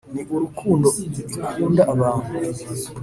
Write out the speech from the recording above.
ni urukundo ikunda abantu